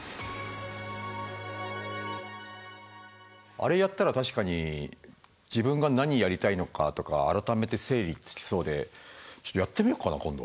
あれやったら確かに自分が何やりたいのかとか改めて整理つきそうでちょっとやってみよっかな今度。